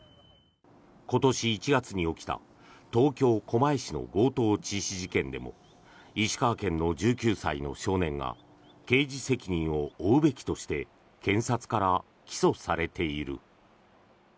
今年１月に起きた東京・狛江市の強盗致死事件でも石川県の１９歳の少年が刑事責任を負うべきとして検察から起訴されている。